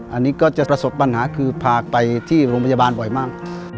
อันนี้ก็จะประสบปัญหาคือพาไปที่โรงพยาบาลบ่อยมาก